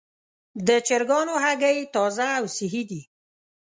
د چرګانو هګۍ تازه او صحي دي.